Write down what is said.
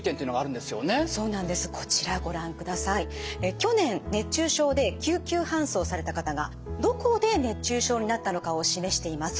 去年熱中症で救急搬送された方がどこで熱中症になったのかを示しています。